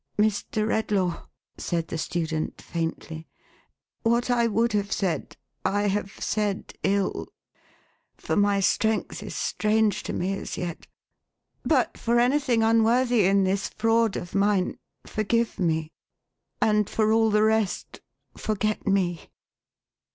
Mr. Redlaw," said the student, faintly, " what I would have said, I have said ill, for my strength is strange to me as yet ; but for anything unworthy in this fraud of mine, forgive me, and for all the rest forget me